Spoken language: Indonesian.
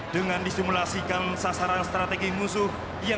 dengan disimulasikan sasaran strategi musuh